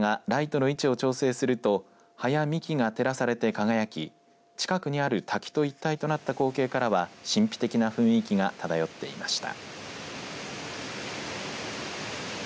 いちょうの葉はまだ、ほとんどが緑色ですが町の担当者らがライトの位置を調整すると葉や幹が照らされて、輝き近くにある滝と一体となった光景からは神秘的な雰囲気が漂っていました。